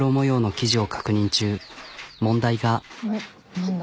何だ。